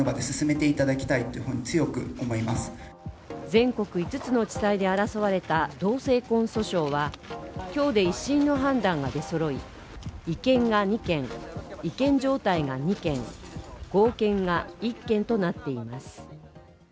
全国５つの地裁で争われた同性婚訴訟は今日で一審の判断が出そろい、違憲が２件、違憲状態が２件合憲が１件となっています。